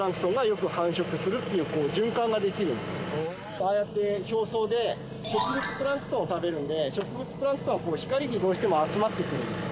ああやって表層で植物プランクトンを食べるんで植物プランクトンは光にどうしても集まってくるんです。